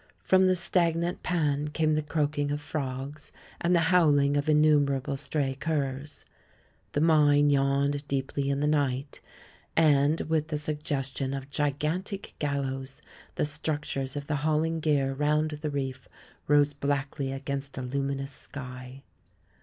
From |the stagna|nt pan came the croaking of frogs, and the howling of innumerable stray curs. The mine yawned deep ly in the night, and, with the suggestion of gigan tic gallows, the structures of the hauling gear round the reef rose blackly against a luminous sky.